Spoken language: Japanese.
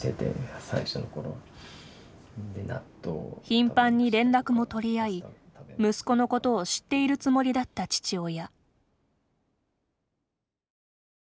頻繁に連絡も取り合い息子のことを知っているつもりだった父親。